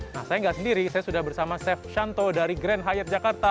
nah saya nggak sendiri saya sudah bersama chef shanto dari grand hyat jakarta